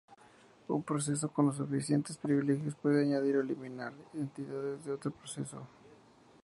Un proceso con los suficientes privilegios puede añadir o eliminar identidades de otro proceso.